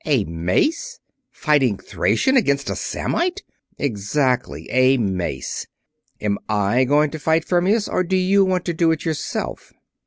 "A mace! Fighting Thracian, against a Samnite?" "Exactly. A mace. Am I going to fight Fermius, or do you want to do it yourself?"